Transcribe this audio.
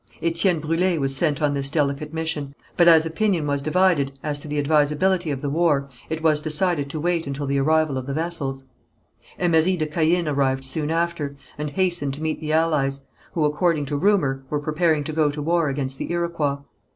Étienne Brûlé was sent on this delicate mission, but as opinion was divided as to the advisability of the war, it was decided to wait until the arrival of the vessels. Emery de Caën arrived soon after, and hastened to meet the allies, who, according to rumour, were preparing to go to war against the Iroquois.